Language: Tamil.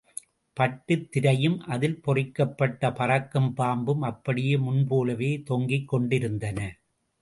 பட்டுத்திரையும் அதில் பொறிக்கப்பட்ட பறக்கும் பாம்பும் அப்படியே முன்போலவே தொங்கிக் கொண்டிருந்தன.